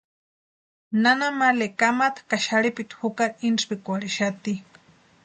Nana male kamata ka xarhipiti jukari intsipikwarhexati.